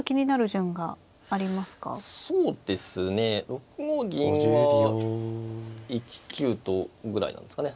６五銀は１九とぐらいなんですかね。